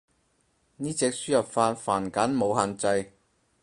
呢隻輸入法繁簡冇限制